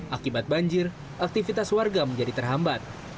akibat banjir aktivitas warga menjadi terhambat